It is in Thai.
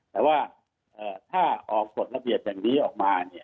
แต่ว่าถ้าออกกฎระเบียบแบบนี้ออกมา